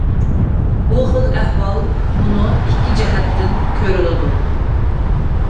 بۇ خىل ئەھۋال مۇنۇ ئىككى جەھەتتە كۆرۈلىدۇ.